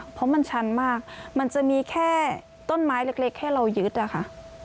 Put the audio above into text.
เพราะมันชันมากมันจะมีแค่ต้นไม้เล็กแค่เรายึดอะค่ะ